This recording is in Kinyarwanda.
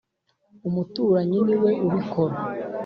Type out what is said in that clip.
Umutarinyi niwe ubikora .